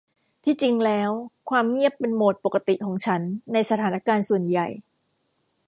ที่จริงแล้วความเงียบเป็นโหมดปกติของฉันในสถานการณ์ส่วนใหญ่